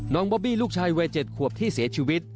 บอบบี้ลูกชายวัย๗ขวบที่เสียชีวิต